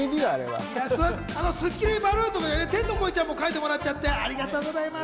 スッキリバルーン、天の声ちゃんも描いてくれてありがとうございます。